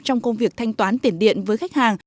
trong công việc thanh toán tiền điện với khách hàng